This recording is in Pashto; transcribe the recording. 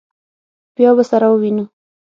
بیا به سره ووینو.